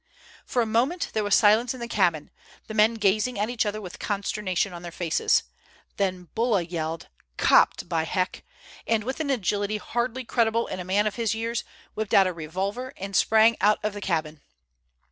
For a moment there was silence in the cabin, the men gazing at each other with consternation on their faces. Then Bulla yelled: "Copped, by heck!" and with an agility hardly credible in a man of his years, whipped out a revolver, and sprang out of the cabin.